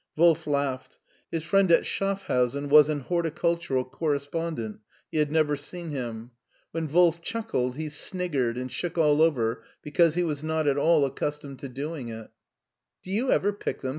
Wolf laughed. His friend at Schaffhausen was only 1290 MARTIN SCHULER an horticultural correspondent : he had never seen him. When Wolf chuckled he sniggered and shook all over because he was not at all accustomed to doing it " Do you ever pick them